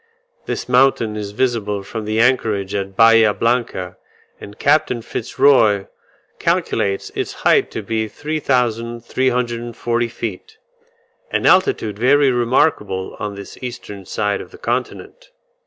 This mountain is visible from the anchorage at Bahia Blanca; and Capt. Fitz Roy calculates its height to be 3340 feet an altitude very remarkable on this eastern side of the continent.